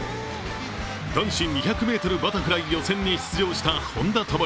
男子２００ｍバタフライ予選に出場した本多灯。